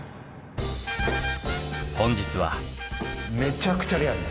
本日は。